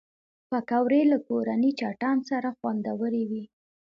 پکورې له کورني چټن سره خوندورې وي